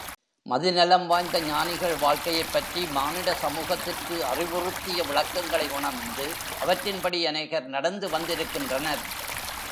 மதிநலம் வாய்ந்த ஞானிகள் வாழ்க்கையைப் பற்றி மானிட சமூகத்திற்கு அறிவுறுத்திய விளக்கங்களை உணர்ந்து அவற்றின்படி அநேகர் நடந்து வந்திருக்கின்றனர்.